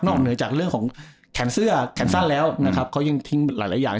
นอกเหนือจากเรื่องของแขนเสื้อแขนสั้นแล้วเขายังทิ้งหลายอย่าง